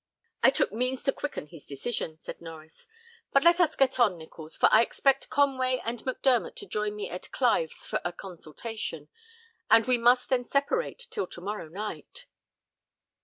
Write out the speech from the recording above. "I took means to quicken his decision," said Norries. "But let us get on, Nichols, for I expect Conway and Mac Dermot to join me at Clive's for a consultation; and we must then separate till to morrow night."